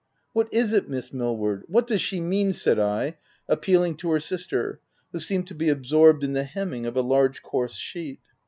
"What is it, Miss Millward? what does she mean?'' said I, appealing to her sister, who seemed to be absorbed in the hemming of a large, coarse sheet.